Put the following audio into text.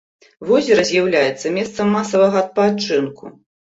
Возера з'яўляецца месцам масавага адпачынку.